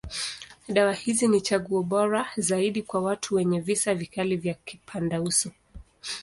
Dawa hizi ni chaguo bora zaidi kwa watu wenye visa vikali ya kipandauso.